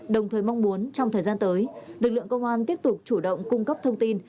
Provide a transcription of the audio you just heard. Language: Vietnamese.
đồng thời mong muốn trong thời gian tới lực lượng công an tiếp tục chủ động cung cấp thông tin